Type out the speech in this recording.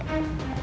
apa yang dia lakuin